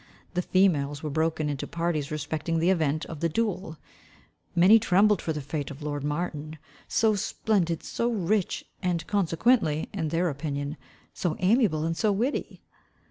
The females were broken into parties respecting the event of the duel. Many trembled for the fate of lord Martin, so splendid, so rich, and consequently, in their opinion, so amiable and so witty.